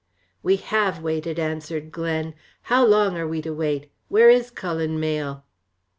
"We have waited," answered Glen. "How long are we to wait? Where is Cullen Mayle?"